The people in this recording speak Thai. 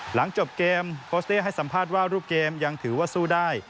หลังจบเกมโคสเต้ให้สัมภาษณ์ว่ารูปเกมยังถือว่าสู้ได้